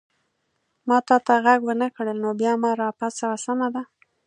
ما تا ته غږ ونه کړ نو بیا ما را پاڅوه، سمه ده؟